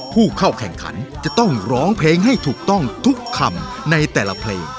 ผู้เข้าแข่งขันจะต้องร้องเพลงให้ถูกต้องทุกคำในแต่ละเพลง